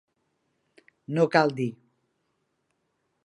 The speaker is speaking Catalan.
No cal dir.